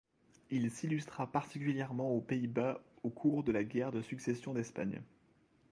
Il s'illustra particulièrement aux Pays-Bas au cours de la guerre de succession d'Espagne.